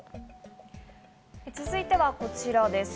続いてはこちらです。